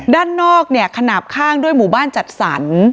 ด้านนอกขณับข้างด้วยหมู่บ้านจัดสรร